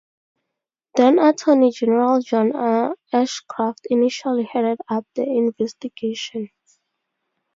Then-Attorney General John Ashcroft initially headed up the investigation.